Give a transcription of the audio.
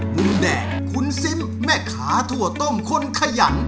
คุณแดงคุณซิมแม่ค้าถั่วต้มคนขยัน